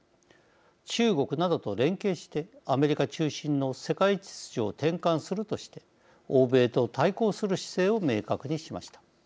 中国などと連携してアメリカ中心の世界秩序を転換するとして欧米と対抗する姿勢を明確にしました。